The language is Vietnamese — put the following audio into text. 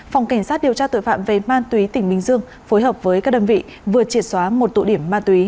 phòng cảnh sát điều tra tội phạm về ma túy tỉnh bình dương phối hợp với các đơn vị vừa triệt xóa một tụ điểm ma túy